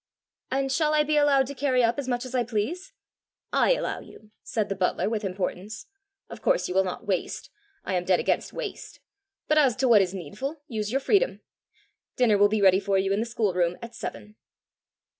"And shall I be allowed to carry up as much as I please?" "I allow you," said the butler, with importance. "Of course you will not waste I am dead against waste! But as to what is needful, use your freedom. Dinner will be ready for you in the schoolroom at seven."